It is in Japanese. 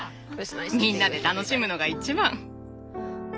みんなで楽しむのが一番。